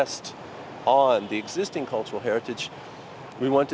sản phẩm và văn hóa văn hóa và kế hoạch